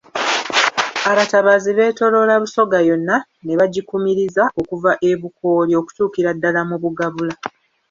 Abatabaazi beetooloola Busoga yonna ne bagikumiriza okuva e Bukooli okutuukira ddala mu Bugabula.